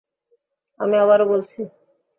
আমি আবারো বলছি!